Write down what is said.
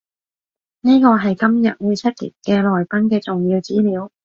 呢個係今日會出席嘅來賓嘅重要資料